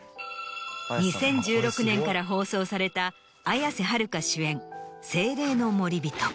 ２０１６年から放送された綾瀬はるか主演。